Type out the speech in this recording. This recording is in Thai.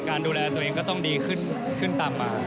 ดูแลตัวเองก็ต้องดีขึ้นตามมา